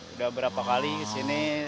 udah berapa kali kesini